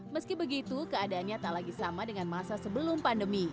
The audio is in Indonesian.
meski begitu keadaannya tak lagi sama dengan masa sebelum pandemi